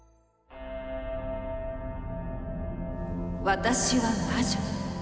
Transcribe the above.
私は魔女。